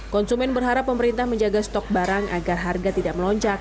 konsumen berharap pemerintah menjaga stok barang agar harga tidak melonjak